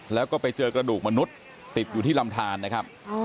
แล้วก็ไปเจอกระดูกมนุษย์ติดอยู่ที่ลำทานนะครับ